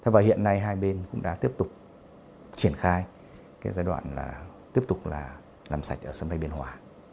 và hiện nay hai bên cũng đã tiếp tục triển khai giai đoạn tiếp tục làm sạch ở sân bay đà nẵng